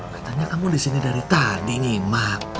katanya kamu disini dari tadi nyimak